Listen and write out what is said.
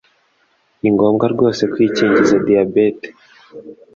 Ni ngombwa rwose kwikingiza diabete